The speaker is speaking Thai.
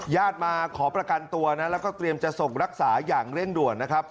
ญาติมาขอประกันตัวนะแล้วก็เตรียมจะส่งรักษาอย่างเร่งด่วนนะครับ